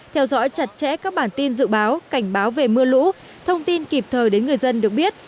theo dõi chặt chẽ các bản tin dự báo cảnh báo về mưa lũ thông tin kịp thời đến người dân được biết